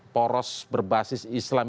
poros berbasis islam